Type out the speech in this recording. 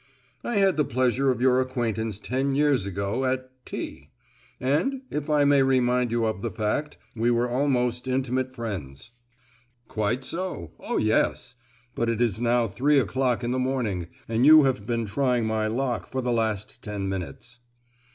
"I had the pleasure of your acquaintance ten years ago at T——, and, if I may remind you of the fact, we were almost intimate friends." "Quite so—oh yes! but it is now three o'clock in the morning, and you have been trying my lock for the last ten minutes."